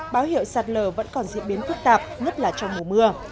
báo hiệu sạt lở vẫn còn diễn biến phức tạp nhất là trong mùa mưa